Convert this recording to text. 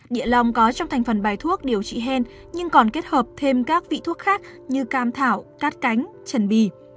địa lòng có trong thành phần bài thuốc điều trị hen nhưng còn kết hợp thêm các vị thuốc khác như cam thảo cát cánh trần bì